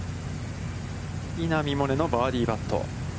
稲見萌寧のバーディーパット。